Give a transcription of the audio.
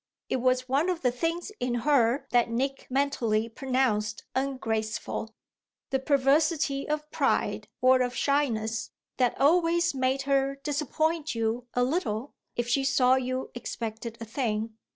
It was one of the things in her that Nick mentally pronounced ungraceful, the perversity of pride or of shyness that always made her disappoint you a little if she saw you expected a thing.